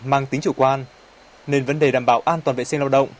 mang tính chủ quan nên vấn đề đảm bảo an toàn vệ sinh lao động